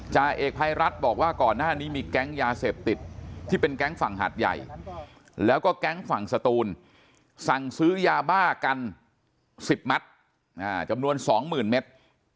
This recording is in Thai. จ่าเอกภัยรัฐบอกว่าก่อนหน้านี้มีแก๊งยาเสพติดที่เป็นแก๊งฝั่งหาดใหญ่แล้วก็แก๊งฝั่งสตูนสั่งซื้อยาบ้ากัน๑๐มัตต์จำนวน๒๐๐๐เมตร